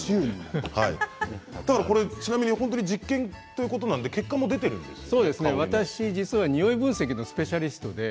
ちなみに実験ということなので結果が出ているんですよね。